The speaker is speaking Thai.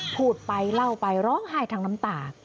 พูดไปเล่าไปร้องไห้ทั้งน้ำตา